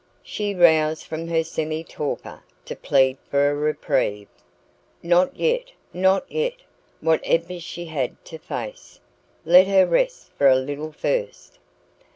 She roused from her semi torpor to plead for a reprieve. Not yet not yet! Whatever she had to face, let her rest for a little first.